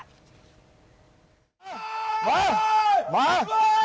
ลงมา